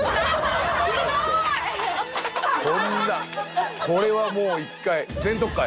こんなこれはもう一回。